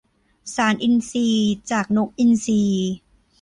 สารอินทรีย์จากนกอินทรี